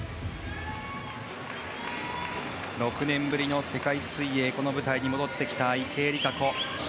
６年ぶりの世界水泳の舞台に戻ってきた池江璃花子です。